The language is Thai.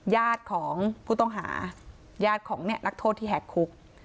ญาติของผู้ต้องหาญาติของนักโทษที่แหกคุก